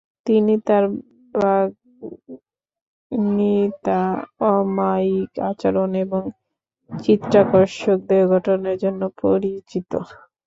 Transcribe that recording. তিনি তাঁর বাগ্মীতা, অমায়িক আচরণ এবং চিত্তাকর্ষক দেহগঠনের জন্য পরিচিত।